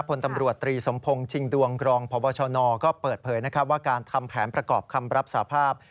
พลตำรวจตรีสมพงศ์ชิงดวงกรองพบชนก็เปิดเผยนะครับว่าการทำแผนประกอบคำรับสาภาพ